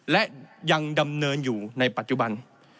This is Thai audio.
และยังดำเนินอยู่ในปัจจุบัน